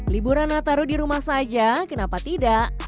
liburan nataru di rumah saja kenapa tidak